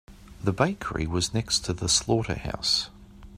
The bakery was next to the slaughterhouse.